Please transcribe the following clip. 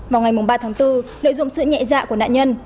vào ngày ba tháng bốn lợi dụng sự nhẹ dạ của nạn nhân